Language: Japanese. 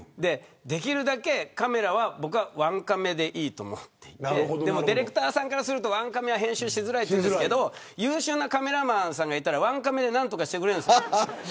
できるだけ、カメラは僕は１カメでいいと思っていてでもディレクターさんからすると１カメは編集しづらいですけど優秀なカメラマンさんがいたら１カメで何とかしてくれるんです。